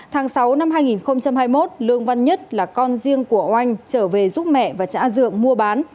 tháng sáu năm hai nghìn hai mươi một lương văn nhất là con riêng của oanh trở về giúp mẹ và cha dượng mua bán